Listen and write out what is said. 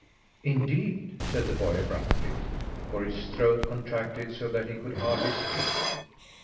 "Indeed!" said the boy abruptly, for his throat contracted so that he could hardly speak.